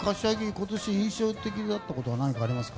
今年印象的だったことはありますか？